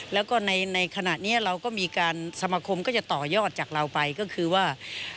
แล้วก็ในขณะนี้เราก็มีการสมาคมก็จะต่อยอดจากเราไปก็คือว่า